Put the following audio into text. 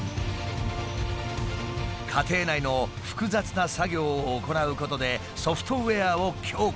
家庭内の複雑な作業を行うことでソフトウエアを強化。